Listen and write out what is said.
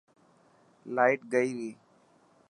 لائٽ گئي ري.